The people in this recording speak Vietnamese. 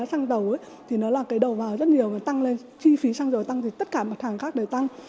xăng dầu thì nó là cái đầu vào rất nhiều và tăng lên chi phí xăng dầu tăng thì tất cả mặt hàng khác đều tăng